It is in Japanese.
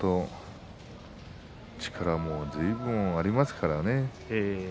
力もずいぶんありますからね。